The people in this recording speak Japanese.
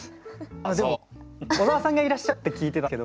あっでも小沢さんがいらっしゃるって聞いてたんですけど。